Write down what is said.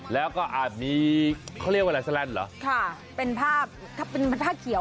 แล้วก็เอามามีเขาเรียกว่าอะไรแสลนด์เหรอเป็นผ้าตัวแตกเป็นผ้าเขียวเนอะ